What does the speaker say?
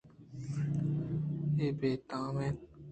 اے بے تام اِنت